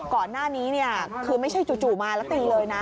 ก่อนหน้านี้เนี่ยคือไม่ใช่จู่มาแล้วตีเลยนะ